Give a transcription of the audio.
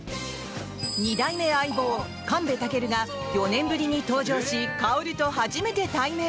２代目相棒、神戸尊が４年ぶりに登場し薫と初めて対面！